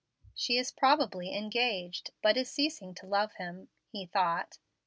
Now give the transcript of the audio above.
"She is probably engaged, but is ceasing to love him," he thought.